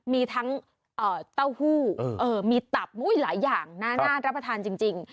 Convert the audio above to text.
มีทั้งเต้าหู้มีตับหลายอย่างน่ารับประทานจริง